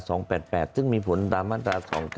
ซึ่งมีผลตามมาตรา๒๙